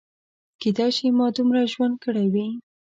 کیدای شي ما دومره ډېر ژوند کړی وي.